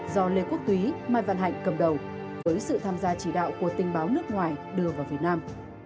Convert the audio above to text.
do lê quốc túy mai văn hạnh cầm đầu với sự tham gia chỉ đạo của tình báo nước ngoài đưa vào việt nam